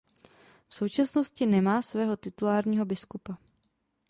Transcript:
V současnosti nemá svého titulárního biskupa.